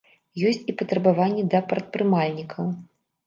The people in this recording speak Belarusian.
Ёсць і патрабаванні да прадпрымальнікаў.